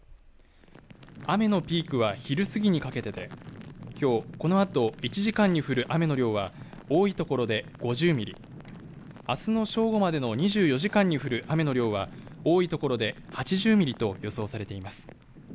雨のピークは昼過ぎにかけてできょう、このあとを１時間に降る雨の量は多い所で５０ミリあすの正午までの２４時間に降る雨の量は多い所で８０ミリと予想されています。